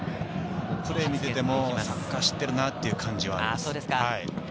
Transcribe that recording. プレーを見てても、サッカー知ってるなっていう感じがあります。